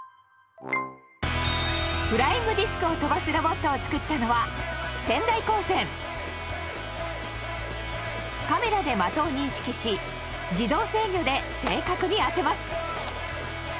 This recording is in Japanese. フライングディスクを飛ばすロボットを作ったのはカメラで的を認識し自動制御で正確に当てます。